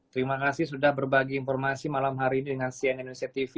terima kasih sudah berbagi informasi malam hari ini dengan cnn indonesia tv